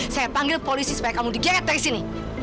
saya panggil polisi supaya kamu digeret dari sini